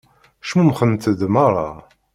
Cmumxent-d meṛṛa.